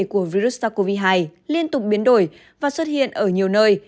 của virus sars cov hai liên tục biến đổi và xuất hiện ở nhiều nơi